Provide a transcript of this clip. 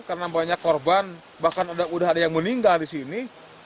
karena banyak korban bahkan sudah ada yang meninggal di sini